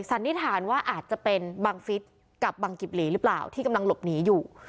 สันนิษฐานว่าอาจจะเป็นบังฟิศกับบังกิบหลีหรือเปล่าที่กำลังหลบหนีอยู่